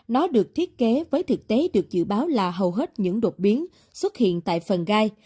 nó được thiết kế với thực tế được dự báo là hầu hết những đột biến xuất hiện tại phần gai